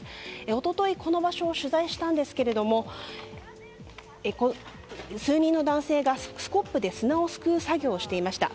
一昨日この場所を取材したんですが数人の男性がスコップで砂を救う作業をしていました。